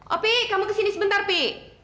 oke kamu kesini sebentar pi